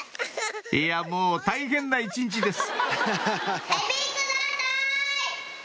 いやもう大変な一日です